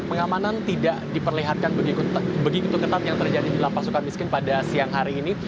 pengamanan tidak diperlihatkan begitu ketat yang terjadi di lp sukamiskin pada siang hari ini